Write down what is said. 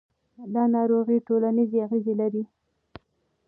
دا ناروغي ټولنیز اغېز لري.